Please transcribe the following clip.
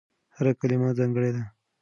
هره کلمه ځانګړې ده.